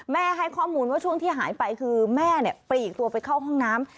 ให้ข้อมูลว่าช่วงที่หายไปคือแม่ปลีกตัวไปเข้าห้องน้ำ